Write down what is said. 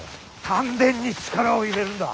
丹田に力を入れるんだ。